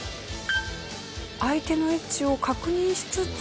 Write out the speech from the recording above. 相手の位置を確認しつつ。